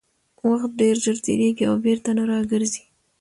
وخت ډېر ژر تېرېږي او بېرته نه راګرځي